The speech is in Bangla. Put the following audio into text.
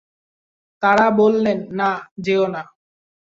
তাঁরা বললেন, না, যেয়ো না।